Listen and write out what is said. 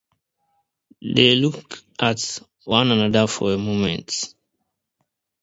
They look at one another for a moment.